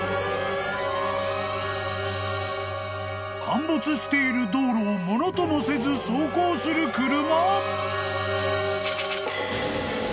［陥没している道路をものともせず走行する車］